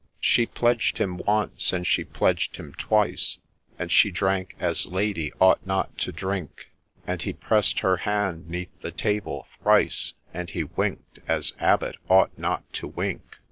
She pledged him once, and she pledged him twice, And she drank as Lady ought not to drink ; And he press'd her hand 'neath the table thrice, And he wink'd as Abbot ought not to wink.